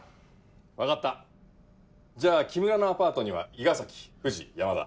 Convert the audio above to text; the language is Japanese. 分かったじゃあ木村のアパートには伊賀崎藤山田。